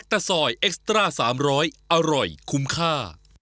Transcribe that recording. สามารถรับชมได้ทุกวัย